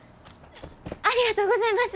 ありがとうございます！